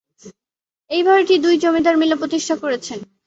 এই বাড়িটি দুই জমিদার মিলে প্রতিষ্ঠা করেছেন।